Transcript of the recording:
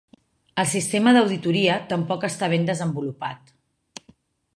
El sistema d'auditoria tampoc està ben desenvolupat.